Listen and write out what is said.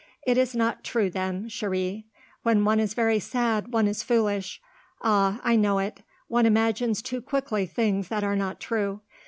"It is not true, then, chérie. When one is very sad one is foolish. Ah, I know it; one imagines too quickly things that are not true.